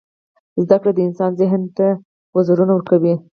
• زده کړه د انسان ذهن ته وزرونه ورکوي.